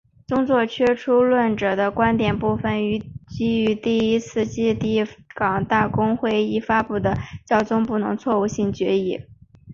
宗座缺出论者的观点部分基于第一次梵蒂冈大公会议发布的教宗不能错误性决议。